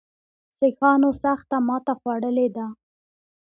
سیکهانو سخته ماته خوړلې ده.